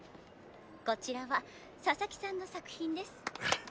こちらは佐々木さんの作品です。